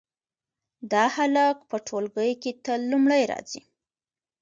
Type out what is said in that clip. دا هلک په ټولګي کې تل لومړی راځي